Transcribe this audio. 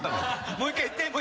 もう１回言って」